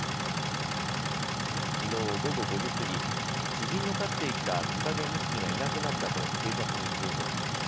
きのう午後５時過ぎ、知人の飼っていたトカゲ２匹がいなくなったと警察に通報がありました。